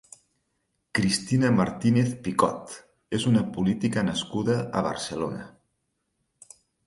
Cristina Martínez Picot és una política nascuda a Barcelona.